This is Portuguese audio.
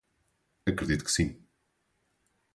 Acredito que sim